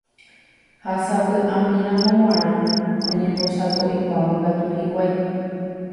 Ha sapy'amíramo g̃uarã oñembosako'ipáma katu hikuái.